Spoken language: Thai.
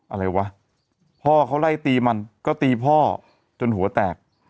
อะไรวะพ่อเขาไล่ตีมันก็ตีพ่อจนหัวแตก